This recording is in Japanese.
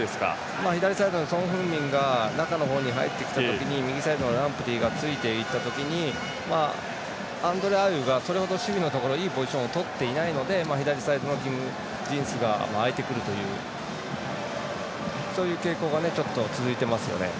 左サイドのソン・フンミンが中の方に入ってきた時に右サイドのランプティがついていったときにアンドレ・アイウがそれほどいいところいいポジションをとっていないので、左サイドのキム・ジンスが空いてくるというそういう傾向がちょっと続いていますよね。